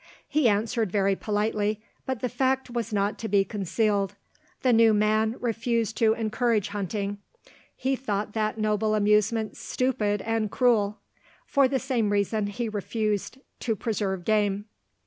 He answered very politely; but the fact was not to be concealed the new man refused to encourage hunting: he thought that noble amusement stupid and cruel. For the same reason, he refused to preserve game.